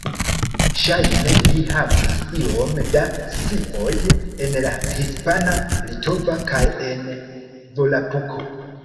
Ŝajne li havis iom da scioj en la hispana, litova kaj en Volapuko.